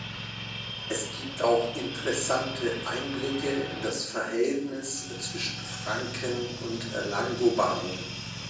Es gibt auch interessante Einblicke in das Verhältnis zwischen Franken und Langobarden.